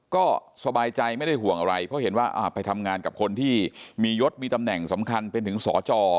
ก็สบายใจไม่ได้ห่วงอะไรเพราะเห็นว่าไปทำงานกับคนที่มียศมีตำแหน่งสำคัญเป็นถึงสจ